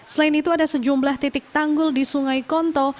selain itu ada sejumlah titik tanggul di sungai konto